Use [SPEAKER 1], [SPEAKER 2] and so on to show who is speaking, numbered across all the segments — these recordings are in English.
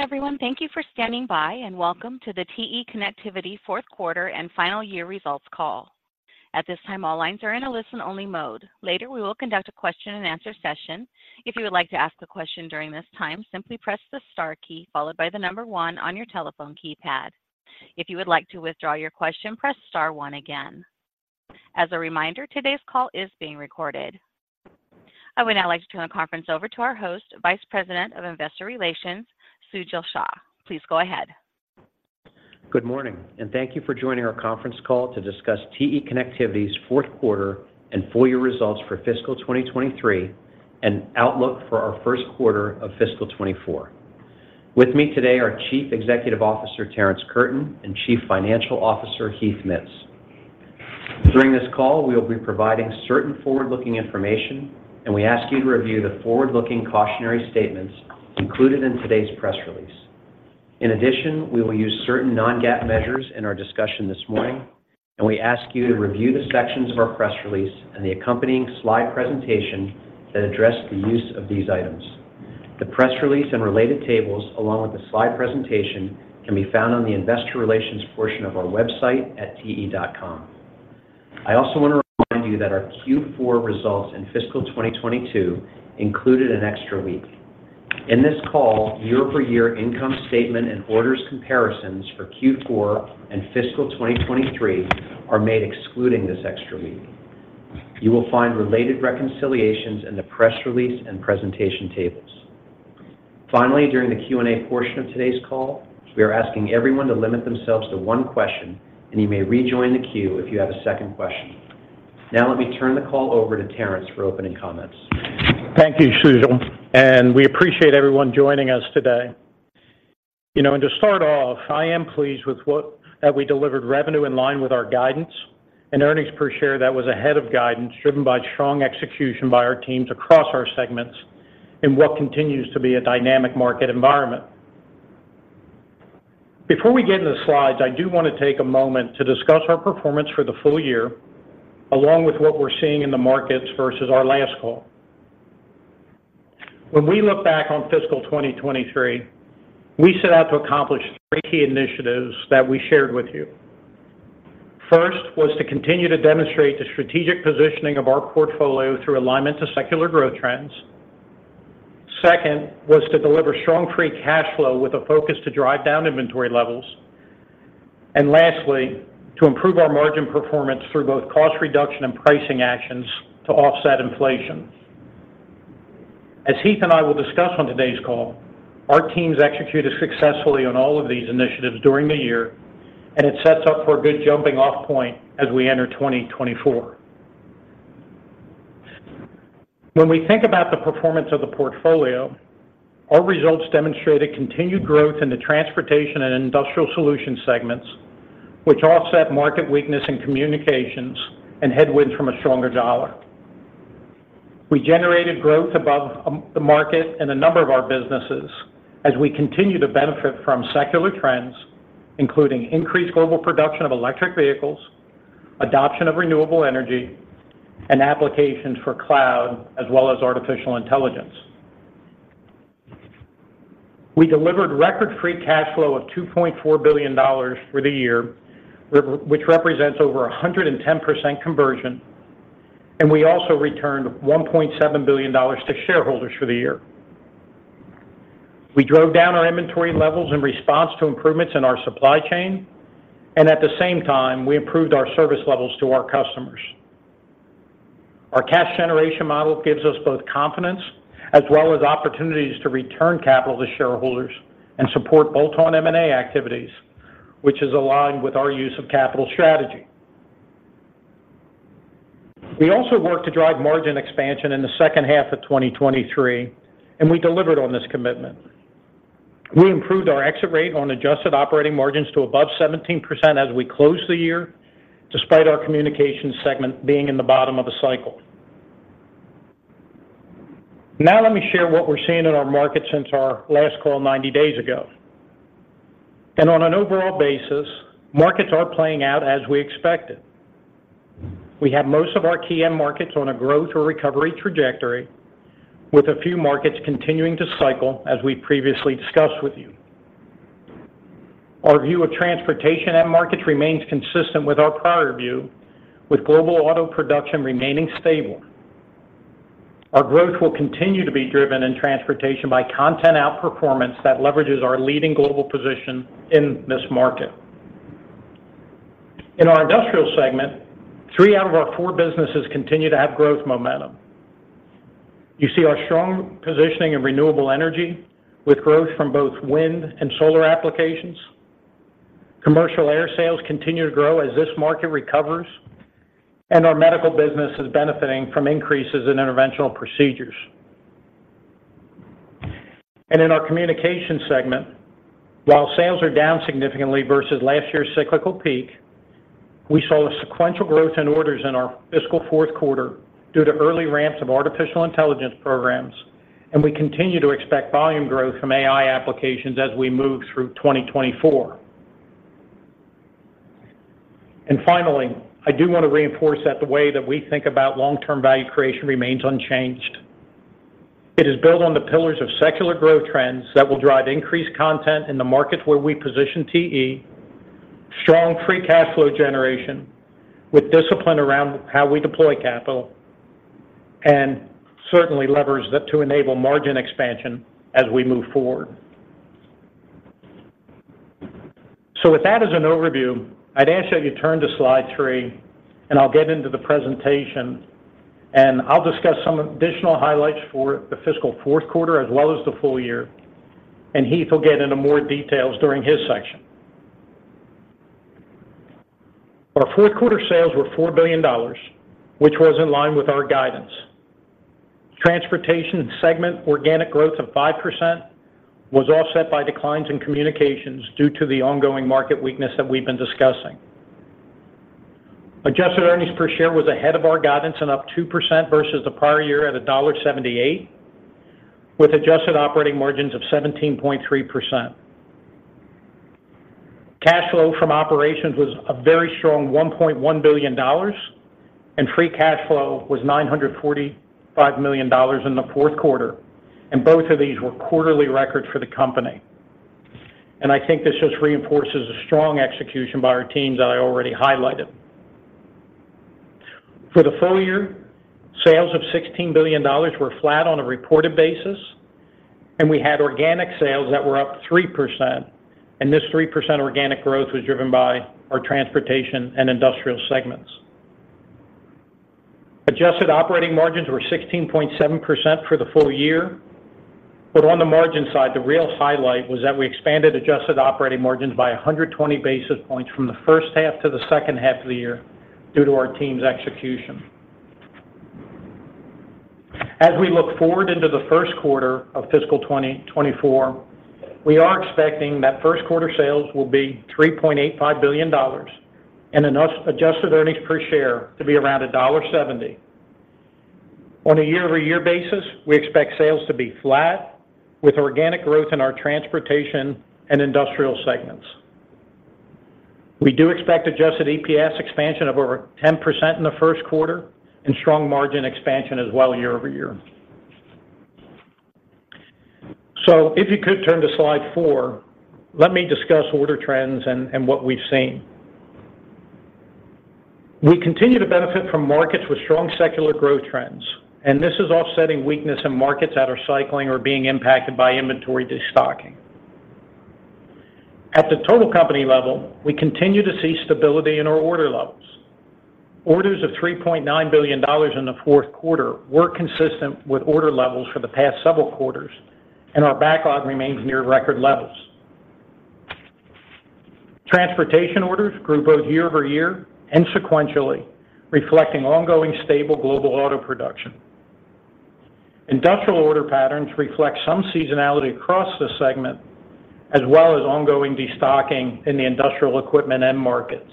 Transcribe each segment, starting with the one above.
[SPEAKER 1] Everyone, thank you for standing by, and welcome to the TE Connectivity Q4 and Final Year Results Call. At this time, all lines are in a listen-only mode. Later, we will conduct a question-and-answer session. If you would like to ask a question during this time, simply press the star key, followed by the number one on your telephone keypad. If you would like to withdraw your question, press star one again. As a reminder, today's call is being recorded. I would now like to turn the conference over to our host, Vice President of Investor Relations, Sujal Shah. Please go ahead.
[SPEAKER 2] Good morning, and thank you for joining our conference call to discuss TE Connectivity's Q4 and full year results for fiscal 2023, and outlook for our Q1 of fiscal 2024. With me today are Chief Executive Officer, Terrence Curtin, and Chief Financial Officer, Heath Mitts. During this call, we will be providing certain forward-looking information, and we ask you to review the forward-looking cautionary statements included in today's press release. In addition, we will use certain non-GAAP measures in our discussion this morning, and we ask you to review the sections of our press release and the accompanying slide presentation that address the use of these items. The press release and related tables, along with the slide presentation, can be found on the investor relations portion of our website at te.com. I also want to remind you that our Q4 results in fiscal 2022 included an extra week. In this call, year-over-year income statement and orders comparisons for Q4 and fiscal 2023 are made excluding this extra week. You will find related reconciliations in the press release and presentation tables. Finally, during the Q&A portion of today's call, we are asking everyone to limit themselves to one question, and you may rejoin the queue if you have a second question. Now, let me turn the call over to Terrence for opening comments.
[SPEAKER 3] Thank you, Sujal, and we appreciate everyone joining us today. You know, and to start off, I am pleased with that we delivered revenue in line with our guidance and earnings per share that was ahead of guidance, driven by strong execution by our teams across our segments in what continues to be a dynamic market environment. Before we get into the slides, I do want to take a moment to discuss our performance for the full year, along with what we're seeing in the markets versus our last call. When we look back on fiscal 2023, we set out to accomplish three key initiatives that we shared with you. First, was to continue to demonstrate the strategic positioning of our portfolio through alignment to secular growth trends. Second, was to deliver strong free cash flow with a focus to drive down inventory levels. And lastly, to improve our margin performance through both cost reduction and pricing actions to offset inflation. As Heath and I will discuss on today's call, our teams executed successfully on all of these initiatives during the year, and it sets up for a good jumping-off point as we enter 2024. When we think about the performance of the portfolio, our results demonstrated continued growth in the transportation and industrial solution segments, which offset market weakness in communications and headwinds from a stronger dollar. We generated growth above the market in a number of our businesses as we continue to benefit from secular trends, including increased global production of electric vehicles, adoption of renewable energy, and applications for cloud, as well as artificial intelligence. We delivered record free cash flow of $2.4 billion for the year, which represents over 110% conversion, and we also returned $1.7 billion to shareholders for the year. We drove down our inventory levels in response to improvements in our supply chain, and at the same time, we improved our service levels to our customers. Our cash generation model gives us both confidence as well as opportunities to return capital to shareholders and support bolt-on M&A activities, which is aligned with our use of capital strategy. We also worked to drive margin expansion in the second half of 2023, and we delivered on this commitment. We improved our exit rate on adjusted operating margins to above 17% as we closed the year, despite our communication segment being in the bottom of a cycle. Now, let me share what we're seeing in our market since our last call 90 days ago. On an overall basis, markets are playing out as we expected. We have most of our key end markets on a growth or recovery trajectory, with a few markets continuing to cycle, as we previously discussed with you. Our view of transportation end markets remains consistent with our prior view, with global auto production remaining stable. Our growth will continue to be driven in transportation by content outperformance that leverages our leading global position in this market. In our industrial segment, three out of our four businesses continue to have growth momentum. You see our strong positioning in renewable energy, with growth from both wind and solar applications. Commercial air sales continue to grow as this market recovers, and our medical business is benefiting from increases in interventional procedures. In our communication segment, while sales are down significantly versus last year's cyclical peak, we saw a sequential growth in orders in our fiscal Q4 due to early ramps of artificial intelligence programs, and we continue to expect volume growth from AI applications as we move through 2024. Finally, I do want to reinforce that the way that we think about long-term value creation remains unchanged. It is built on the pillars of secular growth trends that will drive increased content in the markets where we position TE, strong free cash flow generation with discipline around how we deploy capital, and certainly levers that to enable margin expansion as we move forward. So with that as an overview, I'd ask that you turn to slide 3, and I'll get into the presentation, and I'll discuss some additional highlights for the fiscal Q4 as well as the full year, and Heath will get into more details during his section. Our Q4 sales were $4 billion, which was in line with our guidance. Transportation segment, organic growth of 5% was offset by declines in communications due to the ongoing market weakness that we've been discussing. Adjusted earnings per share was ahead of our guidance and up 2% versus the prior year at $1.78, with adjusted operating margins of 17.3%. Cash flow from operations was a very strong $1.1 billion, and free cash flow was $945 million in the Q4, and both of these were quarterly records for the company. I think this just reinforces a strong execution by our teams that I already highlighted. For the full year, sales of $16 billion were flat on a reported basis, and we had organic sales that were up 3%, and this 3% organic growth was driven by our transportation and industrial segments. Adjusted operating margins were 16.7% for the full year. On the margin side, the real highlight was that we expanded adjusted operating margins by 120 basis points from the first half to the second half of the year due to our team's execution. As we look forward into the Q1 of fiscal 2024, we are expecting that Q1 sales will be $3.85 billion and adjusted earnings per share to be around $1.70. On a year-over-year basis, we expect sales to be flat, with organic growth in our transportation and industrial segments. We do expect adjusted EPS expansion of over 10% in the Q1 and strong margin expansion as well year over year. So if you could turn to slide 4, let me discuss order trends and what we've seen. We continue to benefit from markets with strong secular growth trends, and this is offsetting weakness in markets that are cycling or being impacted by inventory destocking. At the total company level, we continue to see stability in our order levels. Orders of $3.9 billion in the Q4 were consistent with order levels for the past several quarters, and our backlog remains near record levels. Transportation orders grew both year-over-year and sequentially, reflecting ongoing stable global auto production. Industrial order patterns reflect some seasonality across the segment, as well as ongoing destocking in the industrial equipment end markets.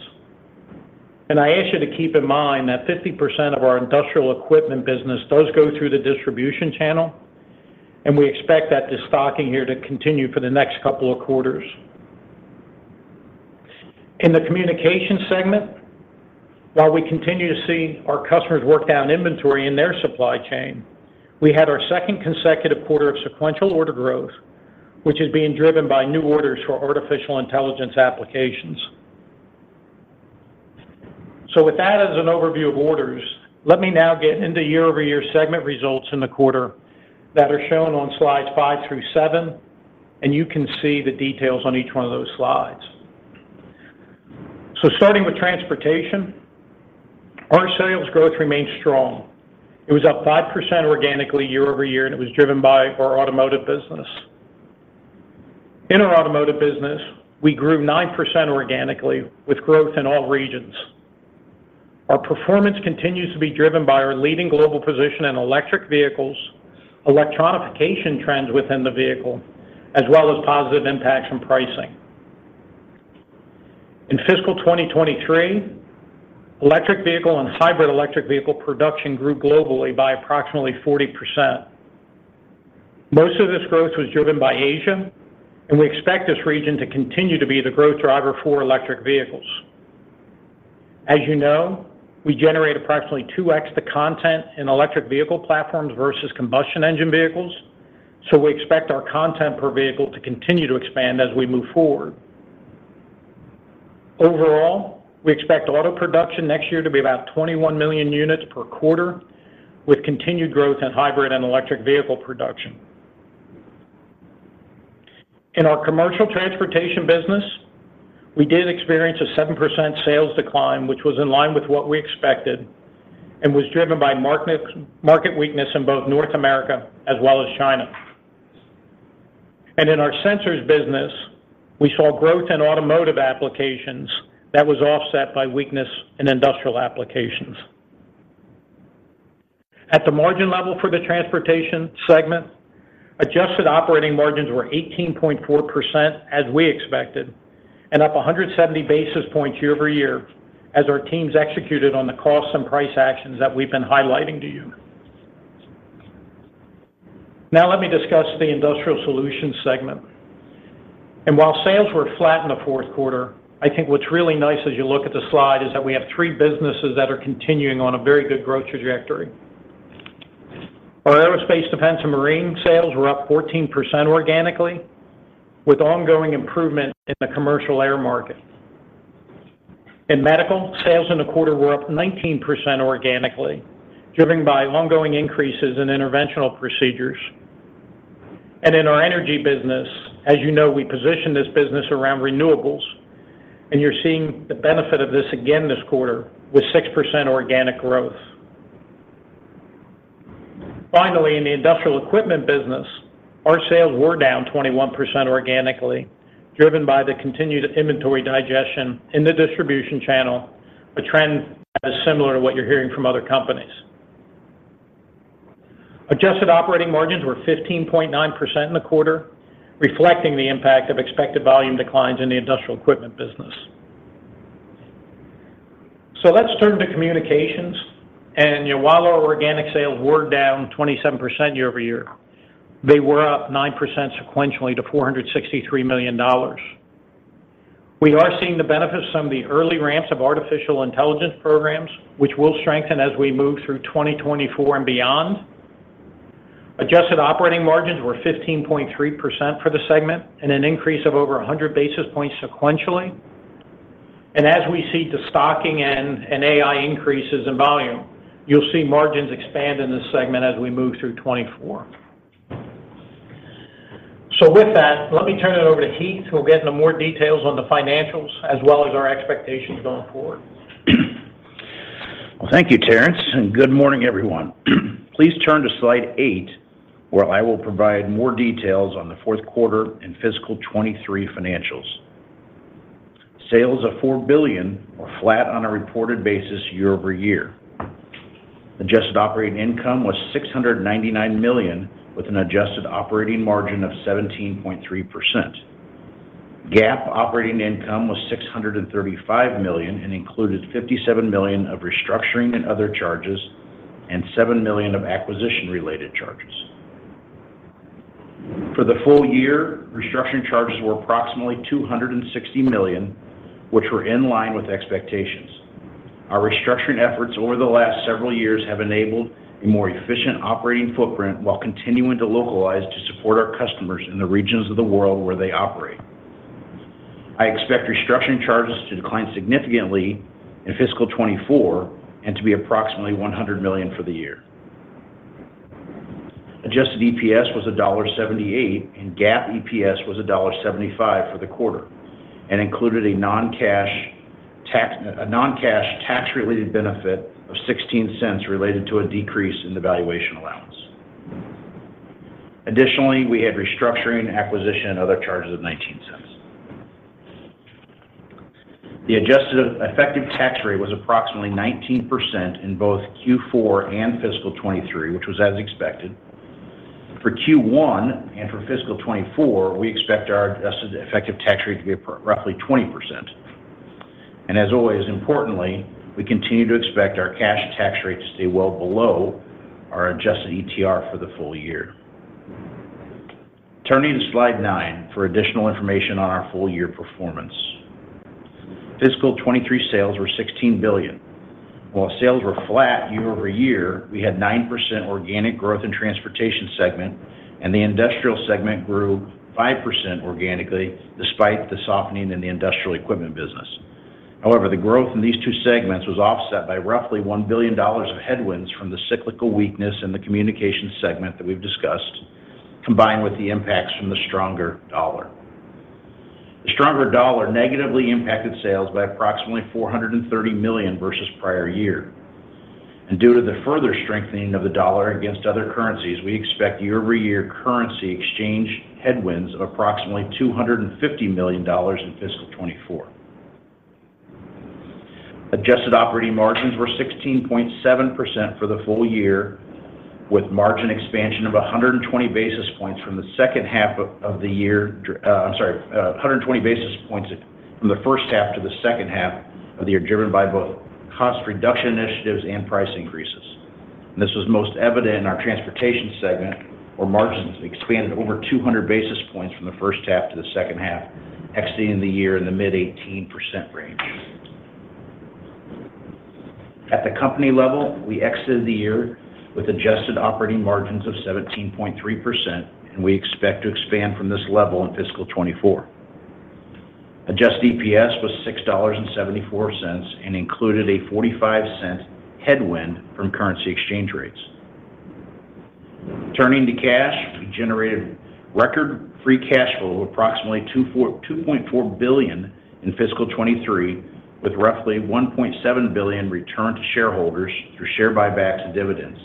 [SPEAKER 3] I ask you to keep in mind that 50% of our industrial equipment business does go through the distribution channel, and we expect that destocking here to continue for the next couple of quarters. In the communication segment, while we continue to see our customers work down inventory in their supply chain, we had our second consecutive quarter of sequential order growth, which is being driven by new orders for artificial intelligence applications. With that as an overview of orders, let me now get into year-over-year segment results in the quarter that are shown on slides 5 through 7, and you can see the details on each one of those slides. Starting with transportation, our sales growth remains strong. It was up 5% organically year-over-year, and it was driven by our automotive business. In our automotive business, we grew 9% organically with growth in all regions. Our performance continues to be driven by our leading global position in electric vehicles, electronification trends within the vehicle, as well as positive impacts from pricing. In fiscal 2023, electric vehicle and hybrid electric vehicle production grew globally by approximately 40%. Most of this growth was driven by Asia, and we expect this region to continue to be the growth driver for electric vehicles. As you know, we generate approximately 2x the content in electric vehicle platforms versus combustion engine vehicles, so we expect our content per vehicle to continue to expand as we move forward. Overall, we expect auto production next year to be about 21 million units per quarter, with continued growth in hybrid and electric vehicle production. In our commercial transportation business, we did experience a 7% sales decline, which was in line with what we expected and was driven by market weakness in both North America as well as China. And in our sensors business, we saw growth in automotive applications that was offset by weakness in industrial applications. At the margin level for the transportation segment, adjusted operating margins were 18.4%, as we expected, and up 170 basis points year-over-year as our teams executed on the cost and price actions that we've been highlighting to you. Now let me discuss the Industrial Solutions segment. While sales were flat in the Q4, I think what's really nice, as you look at the slide, is that we have three businesses that are continuing on a very good growth trajectory. Our aerospace, defense, and marine sales were up 14% organically, with ongoing improvement in the commercial air market. In medical, sales in the quarter were up 19% organically, driven by ongoing increases in interventional procedures. In our Energy business, as you know, we position this business around renewables, and you're seeing the benefit of this again this quarter with 6% organic growth. Finally, in the Industrial Equipment business, our sales were down 21% organically, driven by the continued inventory digestion in the distribution channel, a trend that is similar to what you're hearing from other companies. Adjusted operating margins were 15.9% in the quarter, reflecting the impact of expected volume declines in the Industrial Equipment business. Let's turn to Communications. While our organic sales were down 27% year-over-year, they were up 9% sequentially to $463 million. We are seeing the benefits from the early ramps of artificial intelligence programs, which will strengthen as we move through 2024 and beyond. Adjusted operating margins were 15.3% for the segment and an increase of over 100 basis points sequentially. As we see the stocking and AI increases in volume, you'll see margins expand in this segment as we move through 2024. With that, let me turn it over to Heath, who'll get into more details on the financials as well as our expectations going forward.
[SPEAKER 4] Well, thank you, Terrence, and good morning, everyone. Please turn to slide 8, where I will provide more details on the Q4 and fiscal 2023 financials. Sales of $4 billion were flat on a reported basis year-over-year. Adjusted operating income was $699 million, with an adjusted operating margin of 17.3%. GAAP operating income was $635 million and included $57 million of restructuring and other charges, and $7 million of acquisition-related charges. For the full year, restructuring charges were approximately $260 million, which were in line with expectations. Our restructuring efforts over the last several years have enabled a more efficient operating footprint while continuing to localize to support our customers in the regions of the world where they operate. I expect restructuring charges to decline significantly in fiscal 2024 and to be approximately $100 million for the year. Adjusted EPS was $1.78, and GAAP EPS was $1.75 for the quarter, and included a non-cash, tax-related benefit of $0.16 related to a decrease in the valuation allowance. Additionally, we had restructuring, acquisition, and other charges of $0.19. The adjusted effective tax rate was approximately 19% in both Q4 and fiscal 2023, which was as expected. For Q1 and for fiscal 2024, we expect our adjusted effective tax rate to be roughly 20%. And as always, importantly, we continue to expect our cash tax rate to stay well below our adjusted ETR for the full year. Turning to slide 9 for additional information on our full year performance. Fiscal 2023 sales were $16 billion. While sales were flat year-over-year, we had 9% organic growth in transportation segment, and the industrial segment grew 5% organically, despite the softening in the industrial equipment business. However, the growth in these two segments was offset by roughly $1 billion of headwinds from the cyclical weakness in the communication segment that we've discussed, combined with the impacts from the stronger dollar. The stronger dollar negatively impacted sales by approximately $430 million versus prior year. Due to the further strengthening of the dollar against other currencies, we expect year-over-year currency exchange headwinds of approximately $250 million in fiscal 2024. Adjusted operating margins were 16.7% for the full year, with margin expansion of 120 basis points from the second half of the year. I'm sorry, 120 basis points from the first half to the second half of the year, driven by both cost reduction initiatives and price increases. This was most evident in our transportation segment, where margins expanded over 200 basis points from the first half to the second half, exiting the year in the mid-18% range. At the company level, we exited the year with adjusted operating margins of 17.3%, and we expect to expand from this level in fiscal 2024. Adjusted EPS was $6.74 and included a $0.45 headwind from currency exchange rates. Turning to cash, we generated record free cash flow of approximately $2.4 billion in fiscal 2023, with roughly $1.7 billion returned to shareholders through share buybacks and dividends.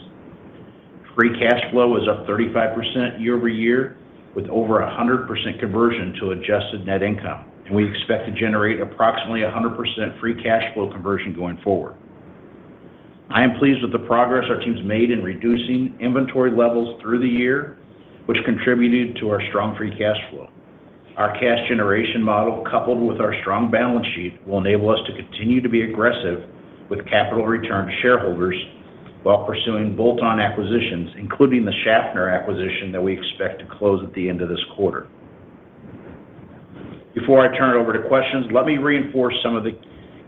[SPEAKER 4] Free cash flow was up 35% year-over-year, with over 100% conversion to adjusted net income, and we expect to generate approximately 100% free cash flow conversion going forward. I am pleased with the progress our team's made in reducing inventory levels through the year, which contributed to our strong free cash flow. Our cash generation model, coupled with our strong balance sheet, will enable us to continue to be aggressive with capital return shareholders while pursuing bolt-on acquisitions, including the Schaffner acquisition that we expect to close at the end of this quarter. Before I turn it over to questions, let me reinforce some of the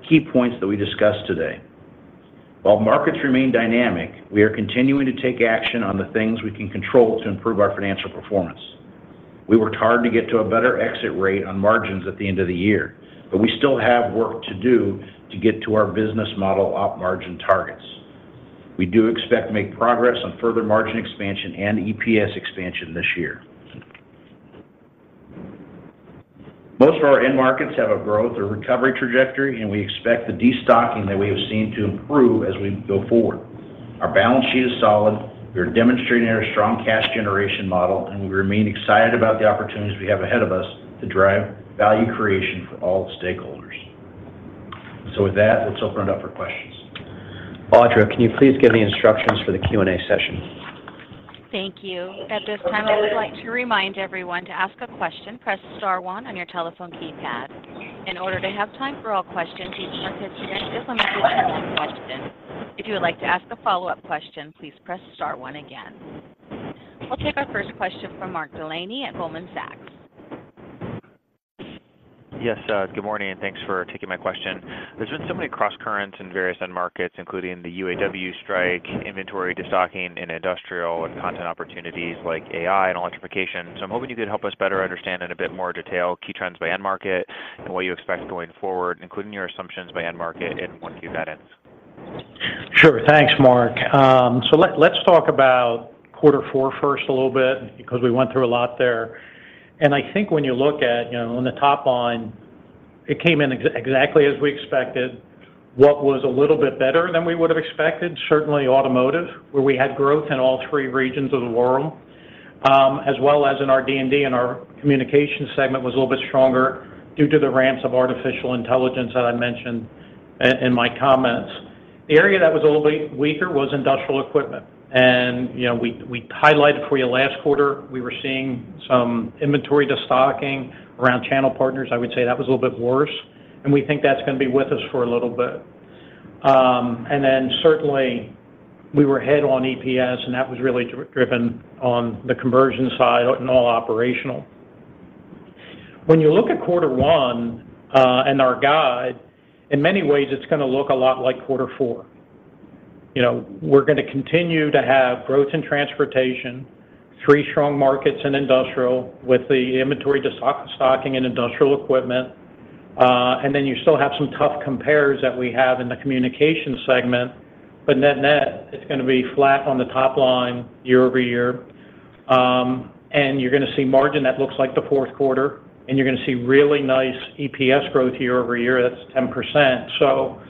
[SPEAKER 4] key points that we discussed today. While markets remain dynamic, we are continuing to take action on the things we can control to improve our financial performance. We worked hard to get to a better exit rate on margins at the end of the year, but we still have work to do to get to our business model op margin targets. We do expect to make progress on further margin expansion and EPS expansion this year. Most of our end markets have a growth or recovery trajectory, and we expect the destocking that we have seen to improve as we go forward. Our balance sheet is solid, we are demonstrating our strong cash generation model, and we remain excited about the opportunities we have ahead of us to drive value creation for all stakeholders. With that, let's open it up for questions.
[SPEAKER 2] Audra, can you please give the instructions for the Q&A session?
[SPEAKER 1] Thank you. At this time, I would like to remind everyone, to ask a question, press star one on your telephone keypad. In order to have time for all questions, each participant is limited to one question. If you would like to ask a follow-up question, please press star one again. We'll take our first question from Mark Delaney at Goldman Sachs.
[SPEAKER 5] Yes, good morning, and thanks for taking my question. There's been so many crosscurrents in various end markets, including the UAW strike, inventory destocking in industrial, and content opportunities like AI and electrification. So I'm hoping you could help us better understand in a bit more detail, key trends by end market and what you expect going forward, including your assumptions by end market and when view that ends.
[SPEAKER 3] Sure. Thanks, Mark. So let's talk about quarter four first a little bit because we went through a lot there. I think when you look at, you know, on the top line, it came in exactly as we expected. What was a little bit better than we would have expected? Certainly automotive, where we had growth in all three regions of the world, as well as in our D3, and our communication segment was a little bit stronger due to the ramps of artificial intelligence that I mentioned in my comments. The area that was a little bit weaker was industrial equipment. You know, we highlighted for you last quarter, we were seeing some inventory destocking around channel partners. I would say that was a little bit worse, and we think that's gonna be with us for a little bit. And then certainly, we were ahead on EPS, and that was really driven on the conversion side and all operational. When you look at quarter one, and our guide, in many ways, it's gonna look a lot like quarter four. You know, we're gonna continue to have growth in transportation, three strong markets in industrial with the inventory destocking in industrial equipment. And then you still have some tough compares that we have in the communication segment, but net net, it's gonna be flat on the top line year-over-year. And you're gonna see margin that looks like the Q4, and you're gonna see really nice EPS growth year-over-year. That's 10%. So,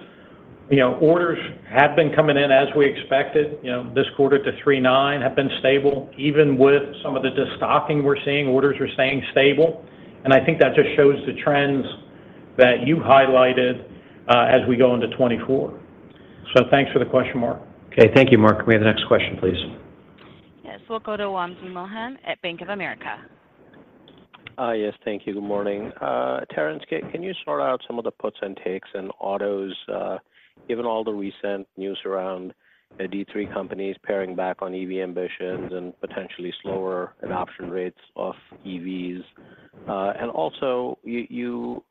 [SPEAKER 3] you know, orders have been coming in as we expected. You know, this quarter to 3 9 have been stable. Even with some of the destocking we're seeing, orders are staying stable, and I think that just shows the trends that you highlighted, as we go into 2024. So thanks for the question, Mark.
[SPEAKER 2] Okay. Thank you, Mark. May we have the next question, please?
[SPEAKER 1] Yes. We'll go to Wamsi Mohan at Bank of America.
[SPEAKER 6] Yes, thank you. Good morning. Terrence, can you sort out some of the puts and takes in autos, given all the recent news around the D3 companies paring back on EV ambitions and potentially slower adoption rates of EVs? And also, you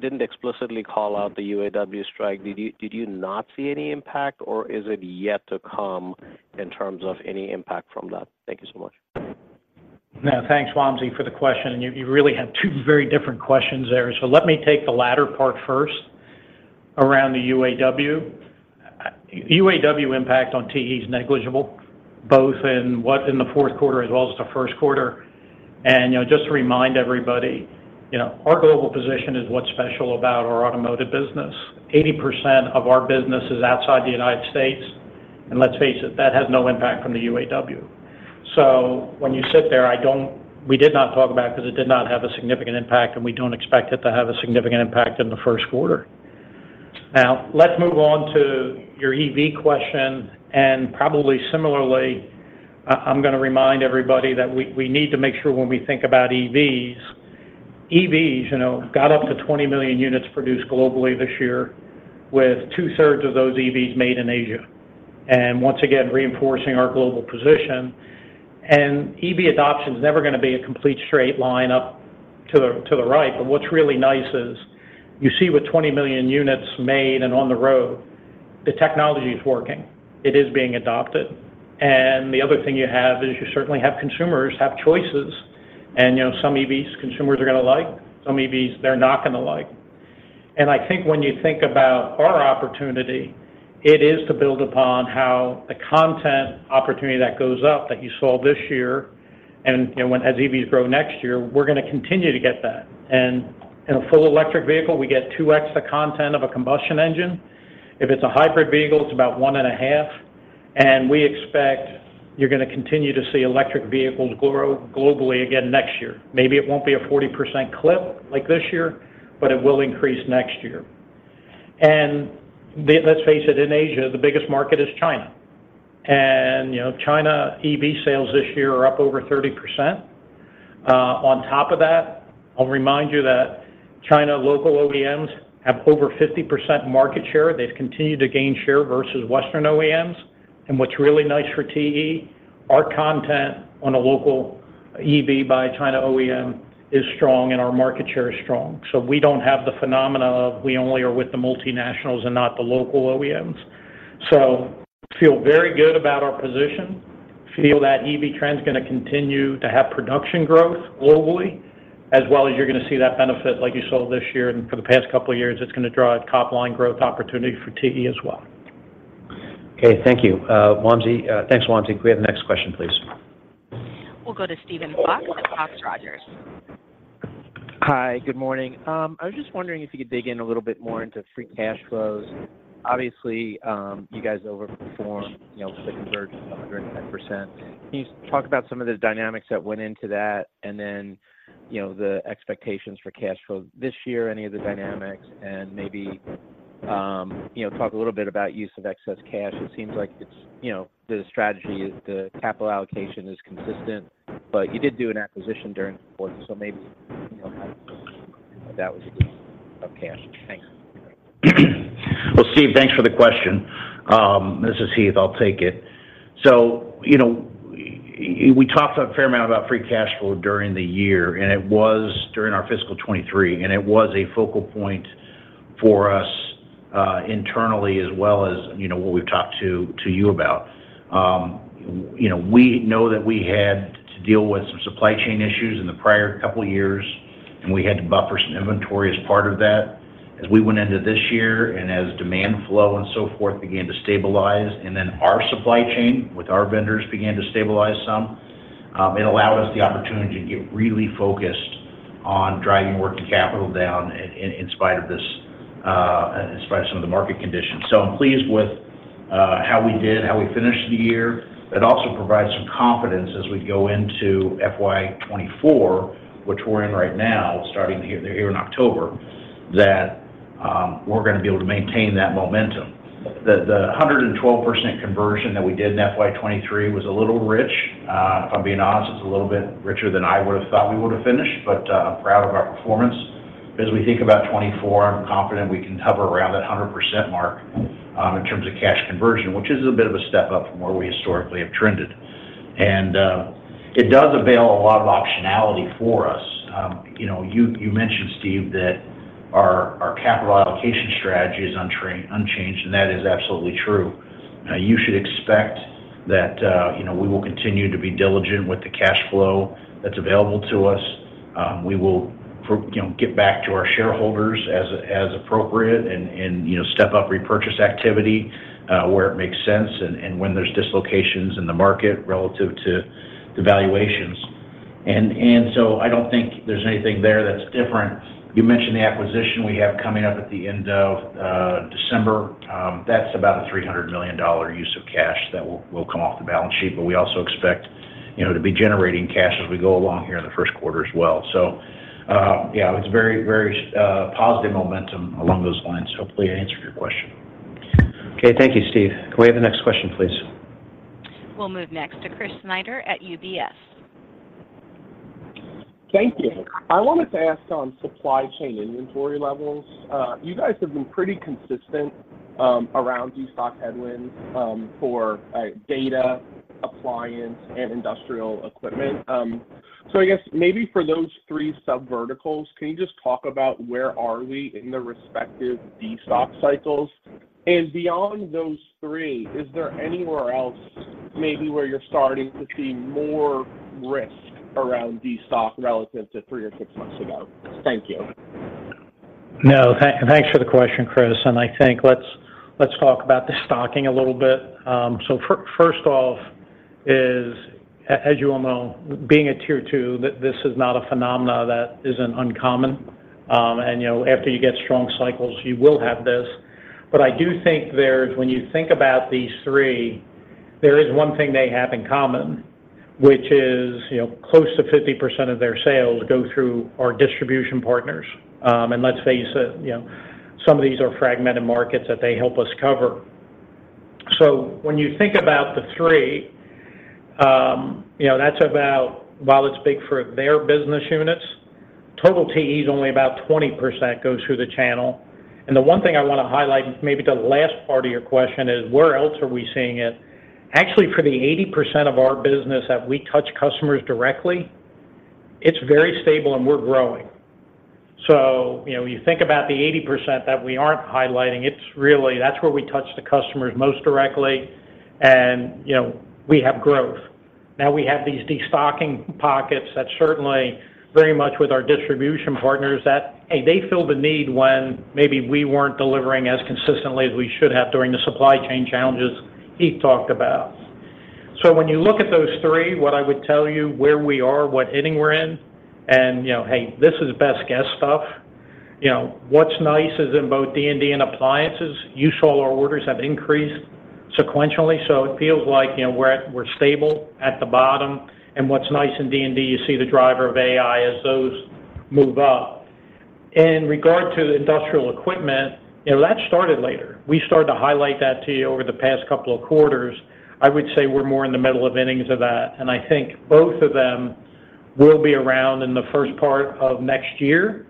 [SPEAKER 6] didn't explicitly call out the UAW strike. Did you not see any impact, or is it yet to come in terms of any impact from that? Thank you so much.
[SPEAKER 3] Now, thanks, Wamsi, for the question. You really had two very different questions there. So let me take the latter part first around the UAW. UAW impact on TE is negligible, both in the Q4 as well as the Q1. You know, just to remind everybody, our global position is what's special about our automotive business. 80% of our business is outside the United States, and let's face it, that has no impact from the UAW. So when you sit there, We did not talk about it because it did not have a significant impact, and we don't expect it to have a significant impact in the Q1. Now, let's move on to your EV question, and probably similarly, I, I'm gonna remind everybody that we, we need to make sure when we think about EVs, EVs, you know, got up to 20 million units produced globally this year, with two-thirds of those EVs made in Asia, and once again, reinforcing our global position. And EV adoption is never gonna be a complete straight line up to the, to the right. But what's really nice is, you see with 20 million units made and on the road, the technology is working. It is being adopted. And the other thing you have is you certainly have consumers have choices, and, you know, some EVs, consumers are gonna like, some EVs, they're not gonna like. I think when you think about our opportunity, it is to build upon how the content opportunity that goes up, that you saw this year, and, you know, when, as EVs grow next year, we're gonna continue to get that. And in a full electric vehicle, we get 2x the content of a combustion engine. If it's a hybrid vehicle, it's about 1.5, and we expect you're gonna continue to see electric vehicles grow globally again next year. Maybe it won't be a 40% clip like this year, but it will increase next year. And let's face it, in Asia, the biggest market is China. And, you know, China EV sales this year are up over 30%. On top of that, I'll remind you that China local OEMs have over 50% market share. They've continued to gain share versus Western OEMs. And what's really nice for TE, our content on a local EV by China OEM is strong, and our market share is strong. So we don't have the phenomenon of we only are with the multinationals and not the local OEMs. So feel very good about our position, feel that EV trend is gonna continue to have production growth globally, as well as you're gonna see that benefit like you saw this year and for the past couple of years, it's gonna drive top-line growth opportunity for TE as well.
[SPEAKER 2] Okay, thank you. Wamsi. Thanks, Wamsi. Can we have the next question, please?
[SPEAKER 1] We'll go to Steven Fox at Fox Advisors.
[SPEAKER 7] Hi, good morning. I was just wondering if you could dig in a little bit more into free cash flows. Obviously, you guys overperformed, you know, the conversion, 110%. Can you talk about some of the dynamics that went into that? And then, you know, the expectations for cash flow this year, any of the dynamics, and maybe, you know, talk a little bit about use of excess cash. It seems like it's, you know, the strategy is, the capital allocation is consistent, but you did do an acquisition during the quarter, so maybe, you know, that was a use of cash. Thanks.
[SPEAKER 3] Well, Steve, thanks for the question. This is Heath. I'll take it. So, you know, we talked a fair amount about free cash flow during the year, and it was during our fiscal 2023, and it was a focal point for us internally as well as, you know, what we've talked to you about. You know, we know that we had to deal with some supply chain issues in the prior couple of years, and we had to buffer some inventory as part of that. As we went into this year, and as demand flow and so forth began to stabilize, and then our supply chain with our vendors began to stabilize some, it allowed us the opportunity to get really focused on driving working capital down in spite of this, in spite of some of the market conditions. So I'm pleased with how we did, how we finished the year. It also provides some confidence as we go into FY 2024, which we're in right now, starting here in October, that we're gonna be able to maintain that momentum. The hundred and twelve percent conversion that we did in FY 2023 was a little rich. If I'm being honest, it's a little bit richer than I would have thought we would have finished, but I'm proud of our performance. As we think about 2024, I'm confident we can hover around that hundred percent mark in terms of cash conversion, which is a bit of a step up from where we historically have trended. And it does avail a lot of optionality for us. You know, you, you mentioned, Steve, that our, our capital allocation strategy is unchanged, and that is absolutely true. Now, you should expect that, you know, we will continue to be diligent with the cash flow that's available to us. We will, you know, get back to our shareholders as, as appropriate and, and, you know, step up repurchase activity, where it makes sense and, and when there's dislocations in the market relative to the valuations. And, and so I don't think there's anything there that's different. You mentioned the acquisition we have coming up at the end of December. That's about a $300 million use of cash that will, will come off the balance sheet, but we also expect, you know, to be generating cash as we go along here in the Q1 as well. So, yeah, it's very, very positive momentum along those lines. Hopefully, I answered your question.
[SPEAKER 2] Okay, thank you, Steve. Can we have the next question, please?
[SPEAKER 1] We'll move next to Chris Snyder at UBS.
[SPEAKER 8] Thank you. I wanted to ask on supply chain inventory levels. You guys have been pretty consistent around destock headwinds for data, appliance, and industrial equipment. So I guess maybe for those three subverticals, can you just talk about where are we in the respective destock cycles? And beyond those three, is there anywhere else maybe where you're starting to see more risk around destock relative to three or six months ago? Thank you.
[SPEAKER 3] No, thanks for the question, Chris, and I think let's talk about the stocking a little bit. So first off is, as you all know, being a tier two, this is not a phenomenon that isn't uncommon. And, you know, after you get strong cycles, you will have this. But I do think there's... When you think about these three, there is one thing they have in common, which is, you know, close to 50% of their sales go through our distribution partners. And let's face it, you know, some of these are fragmented markets that they help us cover. So when you think about the three, you know, that's about, while it's big for their business units, total TE is only about 20% goes through the channel. The one thing I want to highlight, maybe the last part of your question, is where else are we seeing it? Actually, for the 80% of our business that we touch customers directly, it's very stable, and we're growing. So, you know, when you think about the 80% that we aren't highlighting, it's really, that's where we touch the customers most directly, and, you know, we have growth. Now, we have these destocking pockets that certainly very much with our distribution partners, that, hey, they fill the need when maybe we weren't delivering as consistently as we should have during the supply chain challenges Heath talked about. So when you look at those three, what I would tell you, where we are, what inning we're in, and, you know, hey, this is best guess stuff. You know, what's nice is in both D&D and Appliances, usual orders have increased sequentially, so it feels like, you know, we're stable at the bottom. And what's nice in D&D, you see the driver of AI as those move up. In regard to industrial equipment, you know, that started later. We started to highlight that to you over the past couple of quarters. I would say we're more in the middle of innings of that, and I think both of them will be around in the first part of next year.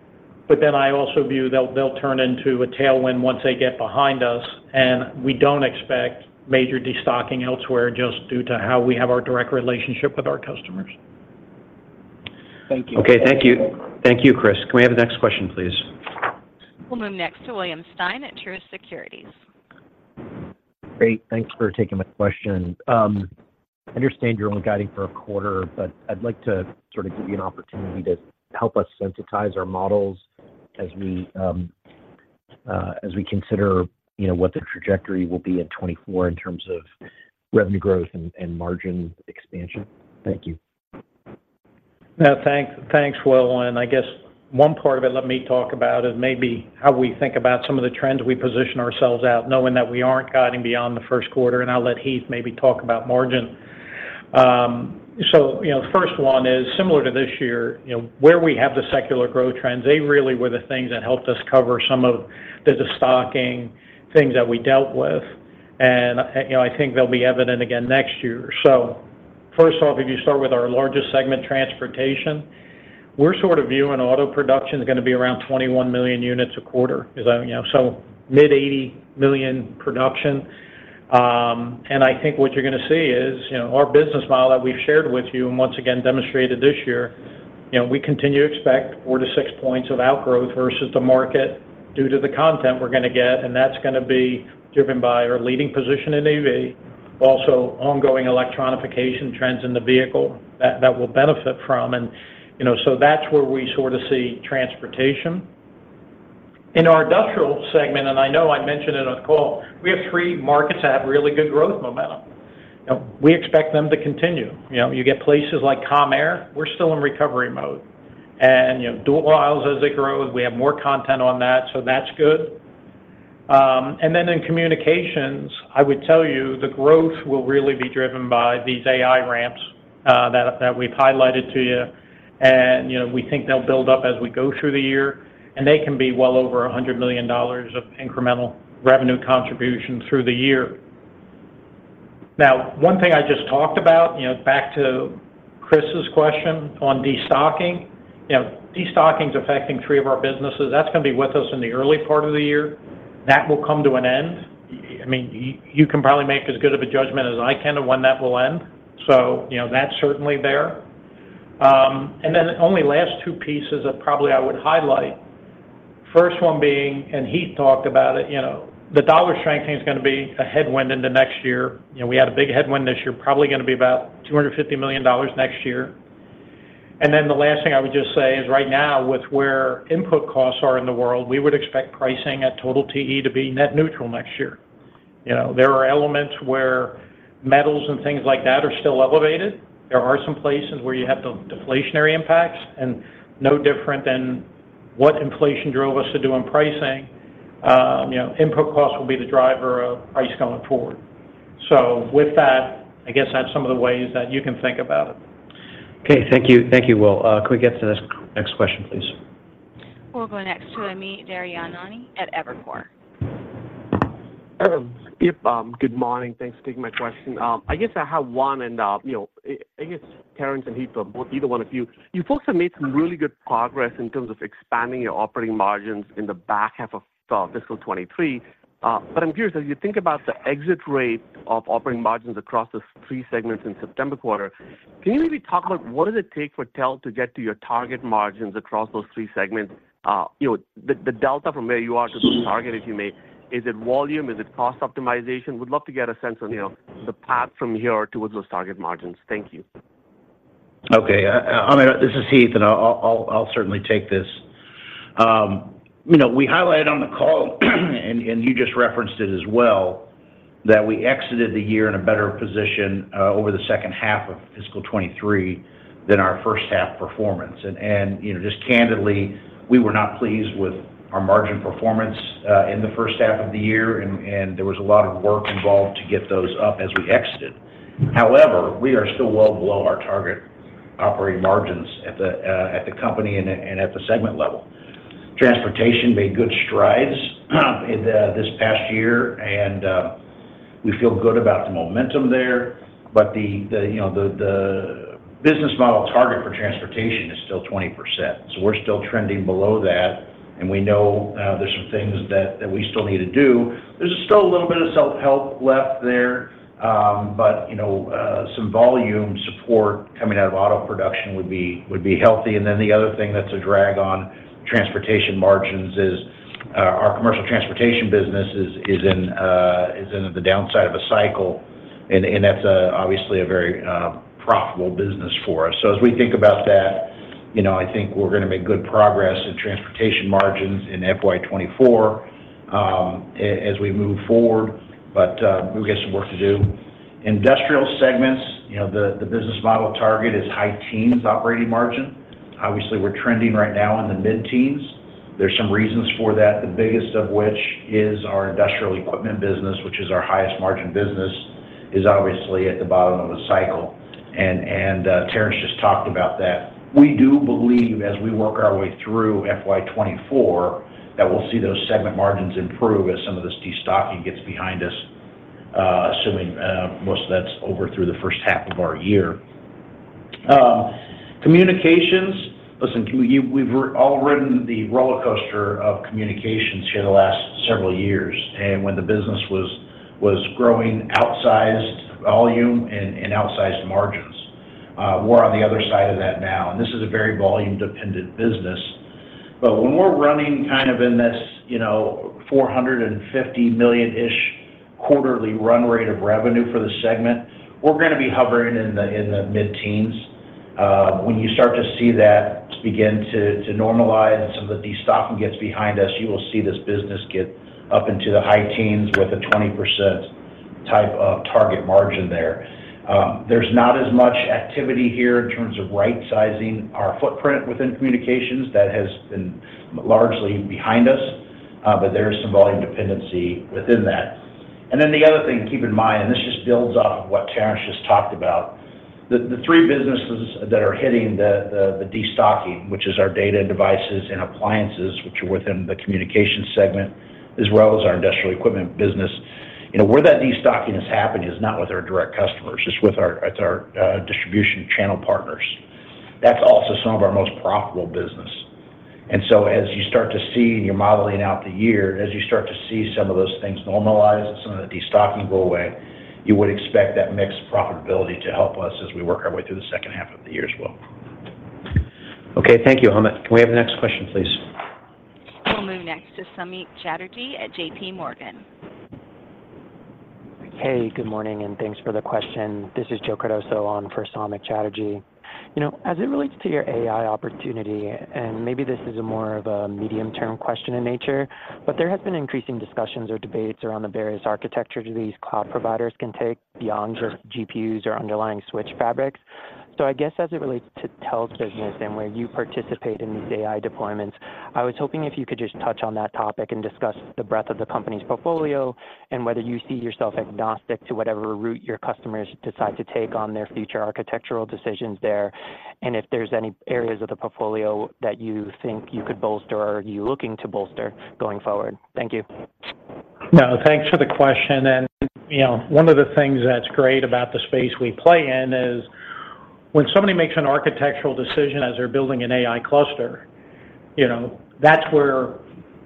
[SPEAKER 3] But then I also view they'll, they'll turn into a tailwind once they get behind us, and we don't expect major destocking elsewhere just due to how we have our direct relationship with our customers.
[SPEAKER 9] Thank you.
[SPEAKER 2] Okay, thank you. Thank you, Chris. Can we have the next question, please?
[SPEAKER 1] We'll move next to William Stein at Truist Securities.
[SPEAKER 10] Great. Thanks for taking my question. I understand you're only guiding for a quarter, but I'd like to sort of give you an opportunity to help us sensitize our models as we consider, you know, what the trajectory will be in 2024 in terms of revenue growth and margin expansion. Thank you.
[SPEAKER 3] Yeah, thanks. Thanks, Will, and I guess one part of it, let me talk about is maybe how we think about some of the trends we position ourselves out, knowing that we aren't guiding beyond the first quarter, and I'll let Heath maybe talk about margin. So, you know, the first one is similar to this year, you know, where we have the secular growth trends, they really were the things that helped us cover some of the destocking things that we dealt with. And, you know, I think they'll be evident again next year. So first off, if you start with our largest segment, transportation, we're sort of viewing auto production is gonna be around 21 million units a quarter, is that, you know, so mid-80 million production. And I think what you're gonna see is, you know, our business model that we've shared with you, and once again, demonstrated this year, you know, we continue to expect 4-6 points of outgrowth versus the market due to the content we're gonna get, and that's gonna be driven by our leading position in AV, also ongoing electronification trends in the vehicle that will benefit from. And, you know, so that's where we sort of see transportation. In our industrial segment, and I know I mentioned it on the call, we have three markets that have really good growth momentum. Now, we expect them to continue. You know, you get places like commercial, we're still in recovery mode. And, you know, dual aisles as they grow, we have more content on that, so that's good. And then in communications, I would tell you, the growth will really be driven by these AI ramps, that we've highlighted to you. And, you know, we think they'll build up as we go through the year, and they can be well over $100 million of incremental revenue contribution through the year. Now, one thing I just talked about, you know, back to Chris's question on destocking. You know, destocking is affecting three of our businesses. That's gonna be with us in the early part of the year. That will come to an end. I mean, you can probably make as good of a judgment as I can of when that will end. So, you know, that's certainly there. And then only last two pieces that probably I would highlight. First one being, and Heath talked about it, you know, the dollar strengthening is gonna be a headwind into next year. You know, we had a big headwind this year, probably gonna be about $250 million next year. And then the last thing I would just say is right now, with where input costs are in the world, we would expect pricing at total TE to be net neutral next year. You know, there are elements where metals and things like that are still elevated. There are some places where you have the deflationary impacts, and no different than what inflation drove us to do in pricing, you know, input costs will be the driver of price going forward. So with that, I guess that's some of the ways that you can think about it.
[SPEAKER 2] Okay, thank you. Thank you, Will. Can we get to the next question, please?
[SPEAKER 1] We'll go next to Amit Daryanani at Evercore.
[SPEAKER 9] Amit, good morning. Thanks for taking my question. I guess I have one and, you know, Terrence and Heath, either one of you. You folks have made some really good progress in terms of expanding your operating margins in the back half of fiscal 2023. But I'm curious, as you think about the exit rate of operating margins across the three segments in September quarter, can you maybe talk about what does it take for TE to get to your target margins across those three segments? You know, the delta from where you are to the target, if you may. Is it volume? Is it cost optimization? Would love to get a sense on, you know, the path from here towards those target margins. Thank you.
[SPEAKER 3] Okay, Amit, this is Heath, and I'll certainly take this. You know, we highlighted on the call, and you just referenced it as well, that we exited the year in a better position over the second half of fiscal 2023 than our first half performance. And you know, just candidly, we were not pleased with our margin performance in the first half of the year, and there was a lot of work involved to get those up as we exited. However, we are still well below our target operating margins at the company and at the segment level. Transportation made good strides in this past year, and we feel good about the momentum there. But the business model target for transportation is still 20%, so we're still trending below that, and we know there's some things that we still need to do. There's still a little bit of self-help left there, but you know, some volume support coming out of auto production would be healthy. And then the other thing that's a drag on transportation margins is our commercial transportation business is in the downside of a cycle, and that's obviously a very profitable business for us. So as we think about that, you know, I think we're gonna make good progress in transportation margins in FY 2024 as we move forward, but we've got some work to do. Industrial segments, you know, the business model target is high teens operating margin. Obviously, we're trending right now in the mid-teens. There's some reasons for that, the biggest of which is our industrial equipment business, which is our highest margin business, is obviously at the bottom of a cycle, and Terrence just talked about that. We do believe, as we work our way through FY 2024, that we'll see those segment margins improve as some of this destocking gets behind us, assuming most of that's over through the first half of our year. Communications. Listen, we've all ridden the rollercoaster of communications here the last several years, and when the business was growing outsized volume and outsized margins. We're on the other side of that now, and this is a very volume-dependent business. But when we're running kind of in this, you know, $450 million-ish quarterly run rate of revenue for the segment, we're gonna be hovering in the, in the mid-teens. When you start to see that begin to normalize, and some of the destocking gets behind us, you will see this business get up into the high teens with a 20% type of target margin there. There's not as much activity here in terms of right-sizing our footprint within communications. That has been largely behind us, but there is some volume dependency within that. And then the other thing to keep in mind, and this just builds off of what Terrence just talked about, the three businesses that are hitting the destocking, which is our data and devices and appliances, which are within the communication segment, as well as our industrial equipment business. You know, where that destocking is happening is not with our direct customers, it's with our distribution channel partners. That's also some of our most profitable business. And so as you start to see, and you're modeling out the year, as you start to see some of those things normalize and some of the destocking go away, you would expect that mixed profitability to help us as we work our way through the second half of the year as well.
[SPEAKER 2] Okay, thank you, Amit. Can we have the next question, please?
[SPEAKER 1] We'll move next to Sameet Chatterjee at JP Morgan.
[SPEAKER 11] Hey, good morning, and thanks for the question. This is Joe Cardoso on for Sameet Chatterjee. You know, as it relates to your AI opportunity, and maybe this is more of a medium-term question in nature, but there has been increasing discussions or debates around the various architectures these cloud providers can take beyond just GPUs or underlying switch fabrics. So I guess as it relates to TE's business and where you participate in these AI deployments, I was hoping if you could just touch on that topic and discuss the breadth of the company's portfolio, and whether you see yourself agnostic to whatever route your customers decide to take on their future architectural decisions there, and if there's any areas of the portfolio that you think you could bolster or are you looking to bolster going forward? Thank you.
[SPEAKER 3] No, thanks for the question, and, you know, one of the things that's great about the space we play in is when somebody makes an architectural decision as they're building an AI cluster, you know, that's where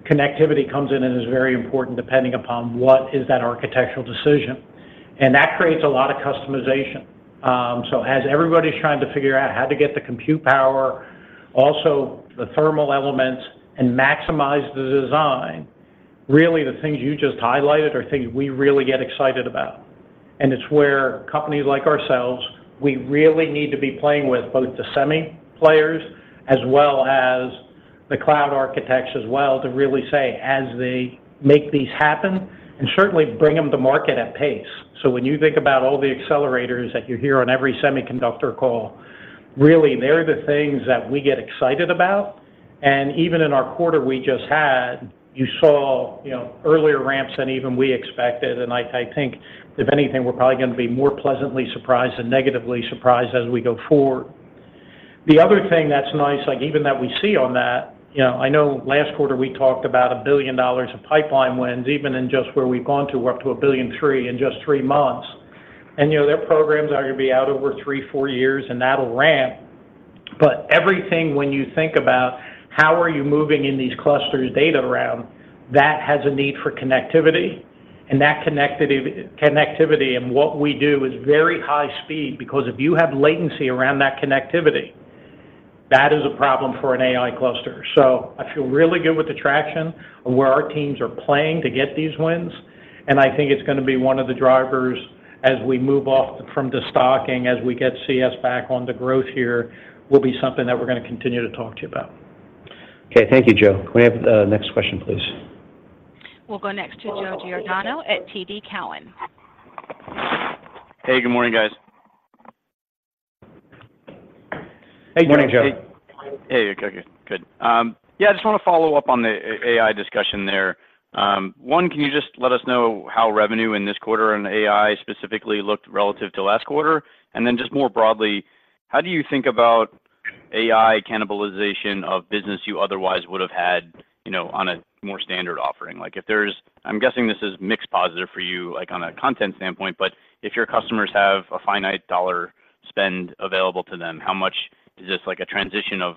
[SPEAKER 3] connectivity comes in and is very important depending upon what is that architectural decision. And that creates a lot of customization. So as everybody's trying to figure out how to get the compute power, also the thermal elements, and maximize the design, really, the things you just highlighted are things we really get excited about. And it's where companies like ourselves, we really need to be playing with both the semi players as well as the cloud architects as well, to really say as they make these happen, and certainly bring them to market at pace. When you think about all the accelerators that you hear on every semiconductor call, really, they're the things that we get excited about. And even in our quarter we just had, you saw, you know, earlier ramps than even we expected, and I think if anything, we're probably gonna be more pleasantly surprised than negatively surprised as we go forward. The other thing that's nice, like even that we see on that, you know, I know last quarter we talked about $1 billion of pipeline wins; even in just where we've gone to, we're up to $1.003 billion in just 3 months. And, you know, their programs are gonna be out over 3-4 years, and that'll ramp. But everything, when you think about how are you moving in these clusters data around, that has a need for connectivity, and that connectivity and what we do is very high speed, because if you have latency around that connectivity, that is a problem for an AI cluster. So I feel really good with the traction of where our teams are playing to get these wins, and I think it's gonna be one of the drivers as we move off from the stocking, as we get CS back on the growth here, will be something that we're gonna continue to talk to you about.
[SPEAKER 2] Okay. Thank you, Joe. Can we have the next question, please?
[SPEAKER 1] We'll go next to Joe Giordano at TD Cowen.
[SPEAKER 12] Hey, good morning, guys.
[SPEAKER 3] Hey, good morning, Joe.
[SPEAKER 12] Hey. Hey, okay, good. Yeah, I just want to follow up on the AI discussion there. One, can you just let us know how revenue in this quarter and AI specifically looked relative to last quarter? And then just more broadly, how do you think about AI cannibalization of business you otherwise would have had, you know, on a more standard offering? Like, I'm guessing this is mixed positive for you, like, on a content standpoint, but if your customers have a finite dollar spend available to them, how much is this, like, a transition of